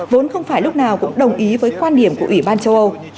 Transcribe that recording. vốn không phải lúc nào cũng đồng ý với quan điểm của ủy ban châu âu